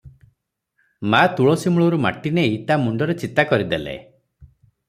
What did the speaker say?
ମା ତୁଳସୀ ମୂଳରୁ ମାଟି ନେଇ ତା ମୁଣ୍ଡରେ ଚିତା କରିଦେଲେ ।